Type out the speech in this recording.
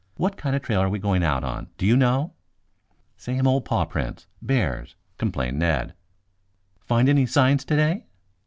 What kind of trail are we going out on, do you know?" "Same old paw prints bears," complained Ned. "Find any signs today?"